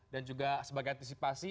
dan juga sebagai antisipasi